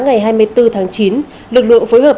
ngày hai mươi bốn tháng chín lực lượng phối hợp